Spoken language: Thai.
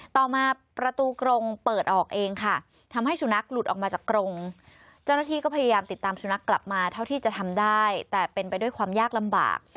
ต่อมาประตูกรงเปิดออกเองค่ะทำให้สุนัขหลุดออกมาจากกรงเจ้าหน้าที่ก็พยายามติดตามสุนัขกลับมาเท่าที่จะทำได้แต่เป็นไปด้วยความยากลำบาก